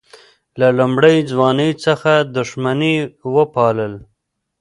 له لومړۍ ځوانۍ څخه دښمني وپالل.